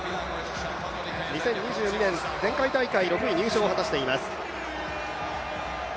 ２０２２年前回大会６位入賞を果たしています。